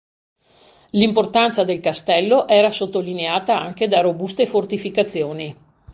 L'importanza del castello era sottolineata anche da robuste fortificazioni.